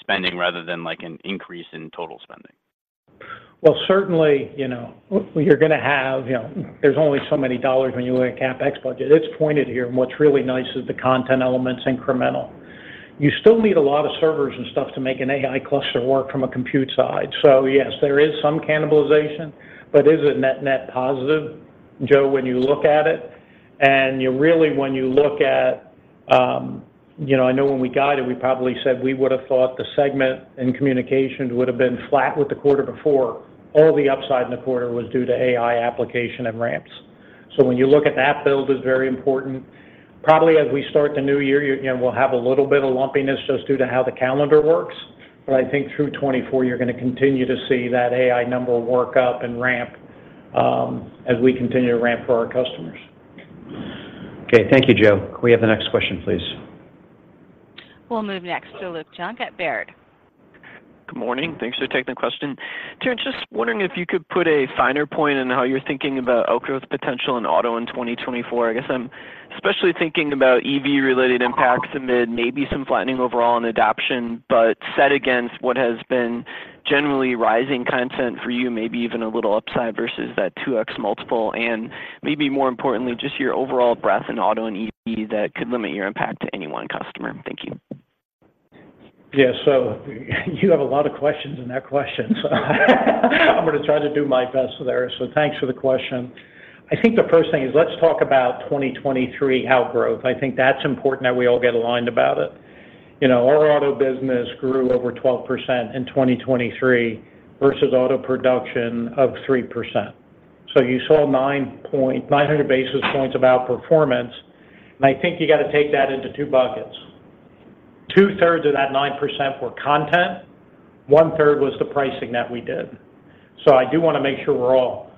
[SPEAKER 12] spending rather than, like, an increase in total spending?
[SPEAKER 3] Well, certainly, you know, you're gonna have, you know, there's only so many dollars when you look at CapEx budget. It's pointed here, and what's really nice is the content element's incremental. You still need a lot of servers and stuff to make an AI cluster work from a compute side. So yes, there is some cannibalization, but it is a net-net positive, Joe, when you look at it, and you really, when you look at, you know, I know when we got it, we probably said we would have thought the segment and communication would have been flat with the quarter before. All the upside in the quarter was due to AI application and ramps.... So when you look at that build is very important. Probably as we start the new year, you know, we'll have a little bit of lumpiness just due to how the calendar works. But I think through 2024, you're gonna continue to see that AI number work up and ramp, as we continue to ramp for our customers.
[SPEAKER 2] Okay. Thank you, Joe. Can we have the next question, please?
[SPEAKER 1] We'll move next to Luke Junk at Baird.
[SPEAKER 13] Good morning. Thanks for taking the question. Terrence, just wondering if you could put a finer point on how you're thinking about outgrowth potential in auto in 2024. I guess I'm especially thinking about EV-related impacts amid maybe some flattening overall in adoption, but set against what has been generally rising content for you, maybe even a little upside versus that 2x multiple, and maybe more importantly, just your overall breadth in auto and EV that could limit your impact to any one customer. Thank you.
[SPEAKER 3] Yeah, so you have a lot of questions in that question. So I'm gonna try to do my best there. So thanks for the question. I think the first thing is, let's talk about 2023 outgrowth. I think that's important that we all get aligned about it. You know, our auto business grew over 12% in 2023 versus auto production of 3%. So you saw nine hundred basis points of outperformance, and I think you got to take that into two buckets. Two-thirds of that 9% were content, one-third was the pricing that we did. So I do wanna make sure we're all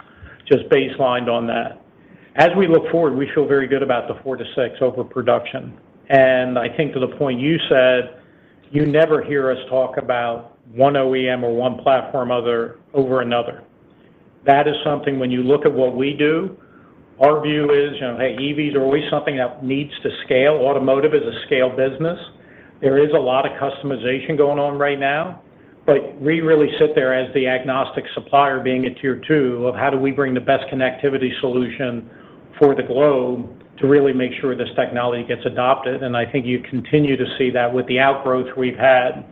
[SPEAKER 3] just baselined on that. As we look forward, we feel very good about the 4%-6% overproduction. And I think to the point you said, you never hear us talk about one OEM or one platform other over another. That is something, when you look at what we do, our view is, you know, hey, EVs are always something that needs to scale. Automotive is a scale business. There is a lot of customization going on right now, but we really sit there as the agnostic supplier, being a tier two, of how do we bring the best connectivity solution for the globe to really make sure this technology gets adopted. And I think you continue to see that with the outgrowths we've had.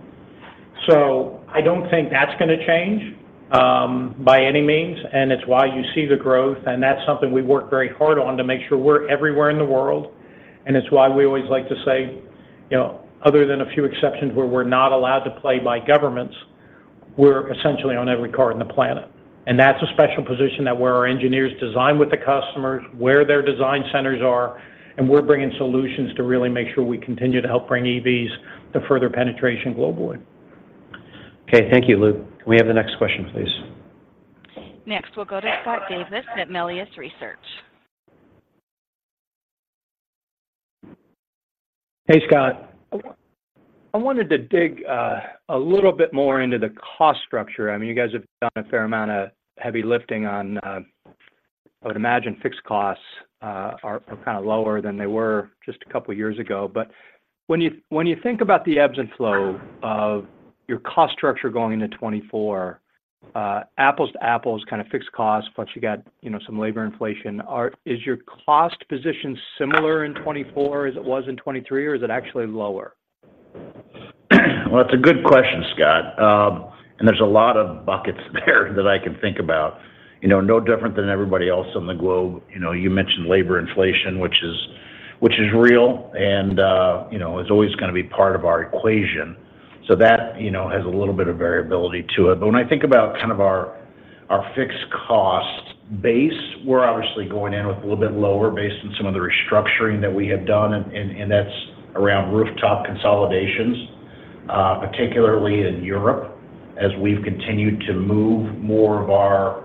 [SPEAKER 3] So I don't think that's gonna change by any means, and it's why you see the growth, and that's something we work very hard on to make sure we're everywhere in the world. And it's why we always like to say, you know, other than a few exceptions where we're not allowed to play by governments, we're essentially on every car in the planet. That's a special position that where our engineers design with the customers, where their design centers are, and we're bringing solutions to really make sure we continue to help bring EVs to further penetration globally.
[SPEAKER 2] Okay, thank you, Luke. Can we have the next question, please?
[SPEAKER 1] Next, we'll go to Scott Davis at Melius Research.
[SPEAKER 14] Hey, Scott. I wanted to dig a little bit more into the cost structure. I mean, you guys have done a fair amount of heavy lifting on, I would imagine fixed costs are kinda lower than they were just a couple of years ago. But when you think about the ebbs and flow of your cost structure going into 2024, apples to apples, kinda fixed cost, plus you got, you know, some labor inflation, is your cost position similar in 2024 as it was in 2023, or is it actually lower?
[SPEAKER 3] Well, it's a good question, Scott. And there's a lot of buckets there that I can think about. You know, no different than everybody else on the globe. You know, you mentioned labor inflation, which is real and, you know, is always gonna be part of our equation. So that, you know, has a little bit of variability to it. But when I think about kind of our fixed cost base, we're obviously going in with a little bit lower based on some of the restructuring that we have done, and that's around rooftop consolidations, particularly in Europe, as we've continued to move more of our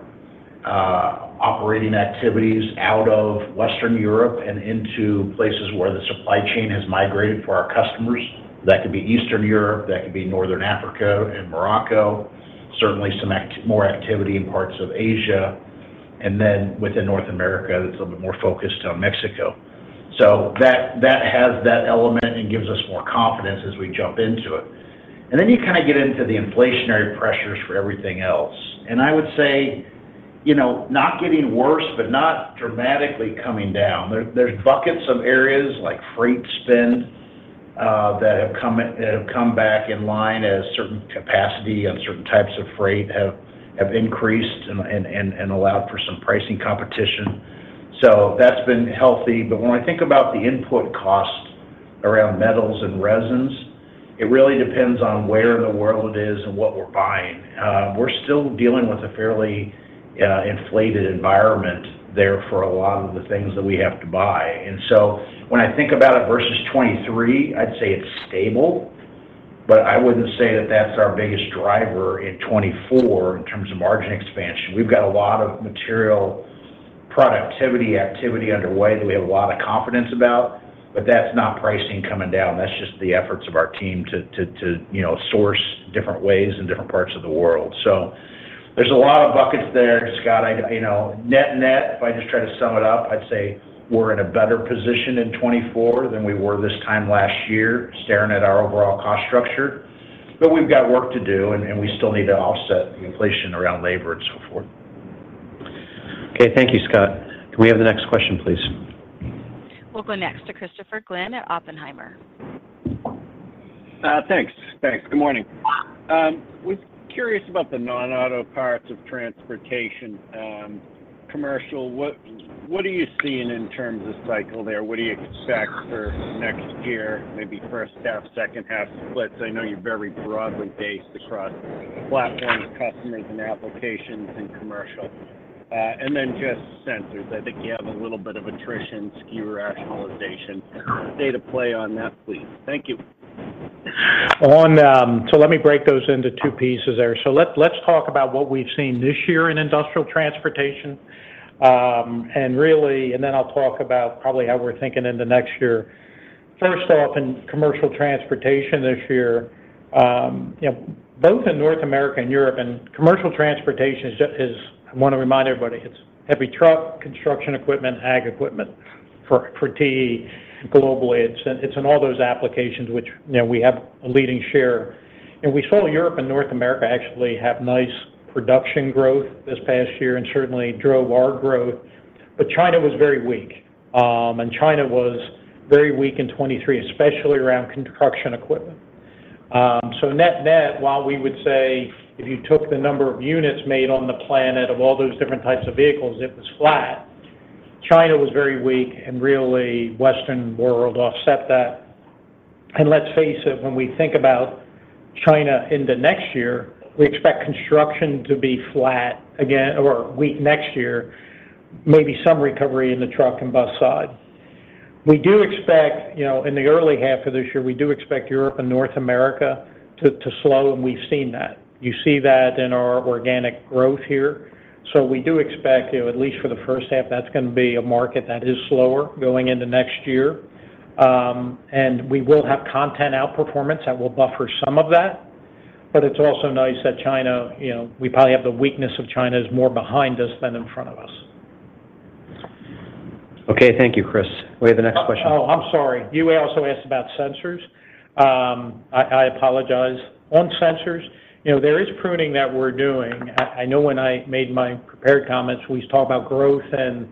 [SPEAKER 3] operating activities out of Western Europe and into places where the supply chain has migrated for our customers. That could be Eastern Europe, that could be Northern Africa and Morocco, certainly some more activity in parts of Asia, and then within North America, that's a bit more focused on Mexico. So that has that element and gives us more confidence as we jump into it. And then you kinda get into the inflationary pressures for everything else. And I would say, you know, not getting worse, but not dramatically coming down. There's buckets of areas like freight spend that have come back in line as certain capacity and certain types of freight have allowed for some pricing competition. So that's been healthy. But when I think about the input cost around metals and resins, it really depends on where in the world it is and what we're buying. We're still dealing with a fairly inflated environment there for a lot of the things that we have to buy. So when I think about it versus 2023, I'd say it's stable, but I wouldn't say that that's our biggest driver in 2024 in terms of margin expansion. We've got a lot of material productivity activity underway that we have a lot of confidence about, but that's not pricing coming down. That's just the efforts of our team to, you know, source different ways in different parts of the world. So there's a lot of buckets there, Scott. I, you know, net-net, if I just try to sum it up, I'd say we're in a better position in 2024 than we were this time last year, staring at our overall cost structure. But we've got work to do, and we still need to offset the inflation around labor and so forth.
[SPEAKER 2] Okay, thank you, Scott. Can we have the next question, please?
[SPEAKER 1] We'll go next to Christopher Glynn at Oppenheimer.
[SPEAKER 15] Thanks. Thanks. Good morning. Was curious about the non-auto parts of transportation, commercial. What, what are you seeing in terms of cycle there? What do you expect for next year, maybe first half, second half splits? I know you're very broadly based across platforms, customers, and applications, and commercial. And then just sensors. I think you have a little bit of attrition, SKU rationalization. State of play on that, please. Thank you.
[SPEAKER 3] So let me break those into two pieces there. So let's talk about what we've seen this year in industrial transportation, and really and then I'll talk about probably how we're thinking into next year. First off, in commercial transportation this year, you know, both in North America and Europe, and commercial transportation is just. I want to remind everybody, it's heavy truck, construction equipment, ag equipment. For TE globally, it's in all those applications which, you know, we have a leading share. And we saw Europe and North America actually have nice production growth this past year, and certainly drove our growth. But China was very weak, and China was very weak in 2023, especially around construction equipment. So net-net, while we would say if you took the number of units made on the planet of all those different types of vehicles, it was flat. China was very weak, and really, Western world offset that. Let's face it, when we think about China into next year, we expect construction to be flat again or weak next year. Maybe some recovery in the truck and bus side. We do expect, you know, in the early half of this year, we do expect Europe and North America to slow, and we've seen that. You see that in our organic growth here. So we do expect, you know, at least for the first half, that's gonna be a market that is slower going into next year. And we will have content outperformance that will buffer some of that, but it's also nice that China, you know, we probably have the weakness of China is more behind us than in front of us.
[SPEAKER 2] Okay. Thank you, Chris. We have the next question-
[SPEAKER 3] Oh, I'm sorry. You also asked about sensors. I apologize. On sensors, you know, there is pruning that we're doing. I know when I made my prepared comments, we talked about growth and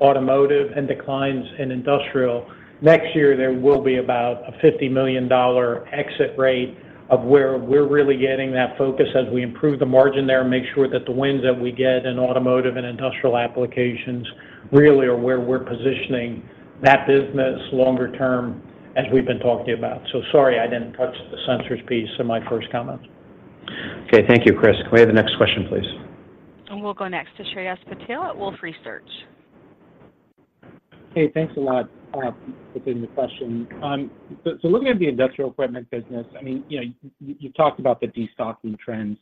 [SPEAKER 3] automotive and declines in industrial. Next year, there will be about a $50 million exit rate of where we're really getting that focus as we improve the margin there, and make sure that the wins that we get in automotive and industrial applications really are where we're positioning that business longer term, as we've been talking about. So sorry I didn't touch the sensors piece in my first comments.
[SPEAKER 2] Okay. Thank you, Chris. Can we have the next question, please?
[SPEAKER 1] We'll go next to Shreyas Patel at Wolfe Research.
[SPEAKER 16] Hey, thanks a lot, for taking the question. So, looking at the industrial equipment business, I mean, you know, you talked about the destocking trends.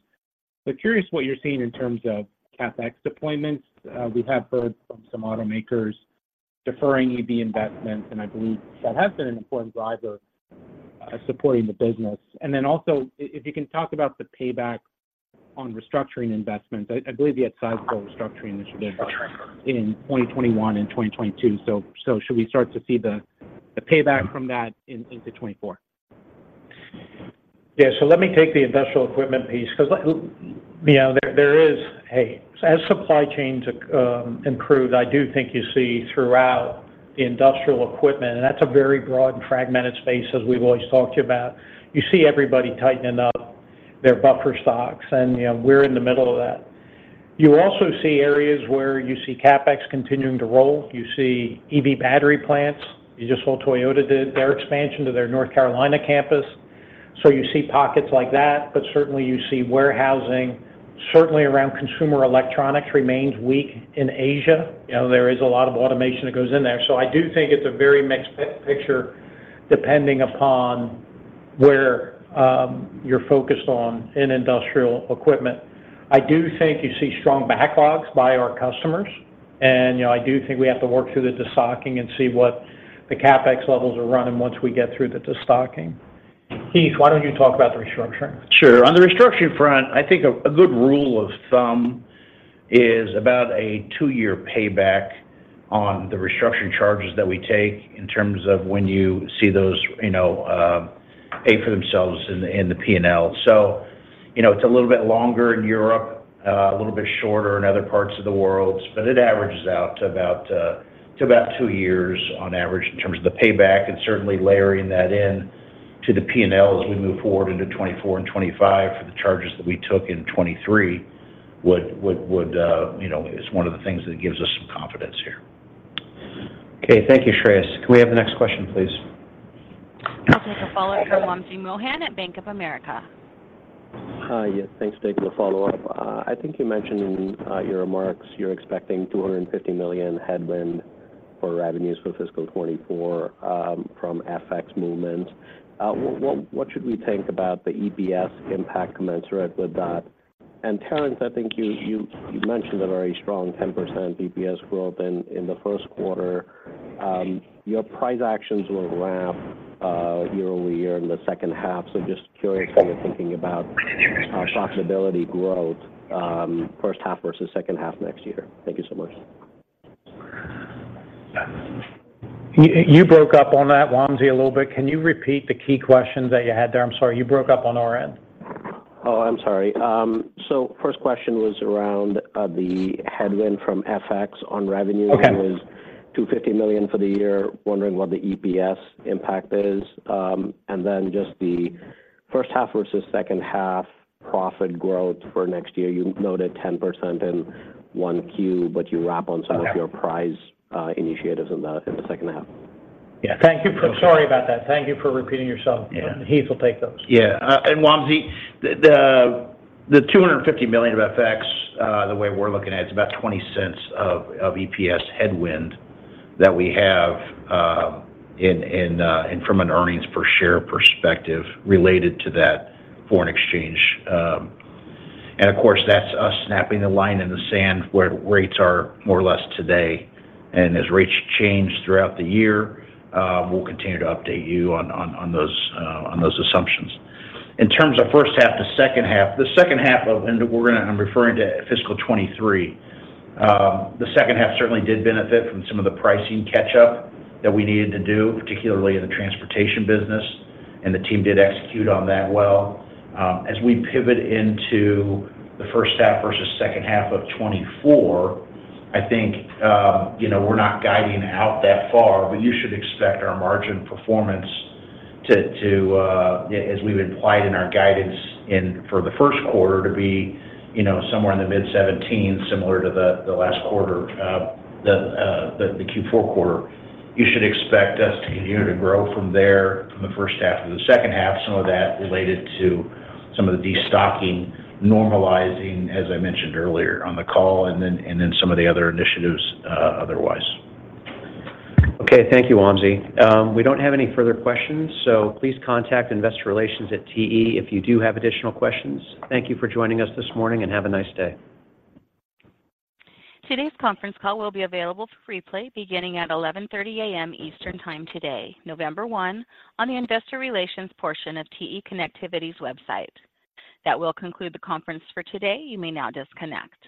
[SPEAKER 16] So curious what you're seeing in terms of CapEx deployments. We have heard from some automakers deferring EV investments, and I believe that has been an important driver, supporting the business. And then also if you can talk about the payback on restructuring investments. I believe you had sizable restructuring in this business in 2021 and 2022. So, should we start to see the payback from that into 2024?
[SPEAKER 3] Yeah. So let me take the industrial equipment piece, 'cause, you know, as supply chains improve, I do think you see throughout the industrial equipment, and that's a very broad and fragmented space as we've always talked about. You see everybody tightening up their buffer stocks, and, you know, we're in the middle of that. You also see areas where you see CapEx continuing to roll. You see EV battery plants. You just saw Toyota did their expansion to their North Carolina campus, so you see pockets like that. But certainly you see warehousing, certainly around consumer electronics, remains weak in Asia. You know, there is a lot of automation that goes in there. So I do think it's a very mixed picture, depending upon where you're focused on in industrial equipment. I do think you see strong backlogs by our customers, and, you know, I do think we have to work through the destocking and see what the CapEx levels are running once we get through the destocking. Heath, why don't you talk about the restructuring?
[SPEAKER 4] Sure. On the restructuring front, I think a good rule of thumb is about a two-year payback on the restructuring charges that we take, in terms of when you see those, you know, pay for themselves in the P&L. So, you know, it's a little bit longer in Europe, a little bit shorter in other parts of the world, but it averages out to about two years on average in terms of the payback. And certainly layering that in to the P&L as we move forward into 2024 and 2025 for the charges that we took in 2023 would, you know, is one of the things that gives us some confidence here.
[SPEAKER 2] Okay. Thank you, Shreyas. Can we have the next question, please?
[SPEAKER 1] We'll take a follow-up from Wamsi Mohan at Bank of America.
[SPEAKER 6] Hi, yeah. Thanks, take the follow-up. I think you mentioned in your remarks you're expecting $250 million headwind for revenues for fiscal 2024 from FX movement. What should we think about the EPS impact commensurate with that? And Terrence, I think you mentioned a very strong 10% EPS growth in the Q1. Your price actions will lap year-over-year in the second half. So just curious how you're thinking about profitability growth first half versus second half next year. Thank you so much.
[SPEAKER 3] You broke up on that, Wamsi, a little bit. Can you repeat the key questions that you had there? I'm sorry, you broke up on our end.
[SPEAKER 6] Oh, I'm sorry. So first question was around the headwind from FX on revenue.
[SPEAKER 3] Okay.
[SPEAKER 6] It was $250 million for the year. Wondering what the EPS impact is, and then just the first half versus second half profit growth for next year. You noted 10% in 1Q, but you wrap on some-
[SPEAKER 3] Okay.
[SPEAKER 6] of your price initiatives in the second half.
[SPEAKER 3] Yeah, thank you for... Sorry about that. Thank you for repeating yourself.
[SPEAKER 6] Yeah.
[SPEAKER 3] Heath will take those.
[SPEAKER 4] Yeah. And Wamsi, the $250 million of FX, the way we're looking at it, it's about $0.20 of EPS headwind that we have, in from an earnings per share perspective related to that foreign exchange. And of course, that's us snapping the line in the sand where rates are more or less today. And as rates change throughout the year, we'll continue to update you on those assumptions. In terms of first half to second half, the second half of, and we're gonna, I'm referring to fiscal 2023. The second half certainly did benefit from some of the pricing catch-up that we needed to do, particularly in the transportation business, and the team did execute on that well. As we pivot into the first half versus second half of 2024, I think, you know, we're not guiding out that far, but you should expect our margin performance to as we've implied in our guidance for the Q1, to be, you know, somewhere in the mid-17%, similar to the last quarter, the Q4 quarter. You should expect us to continue to grow from there from the first half to the second half, some of that related to some of the destocking, normalizing, as I mentioned earlier on the call, and then some of the other initiatives, otherwise.
[SPEAKER 6] Okay, thank you, Wamsi. We don't have any further questions, so please contact Investor Relations at TE if you do have additional questions. Thank you for joining us this morning, and have a nice day.
[SPEAKER 1] Today's conference call will be available for replay beginning at 11:30 A.M. Eastern Time today, November 1, on the Investor Relations portion of TE Connectivity's website. That will conclude the conference for today. You may now disconnect.